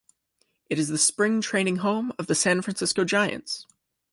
It is the spring training home of the San Francisco Giants.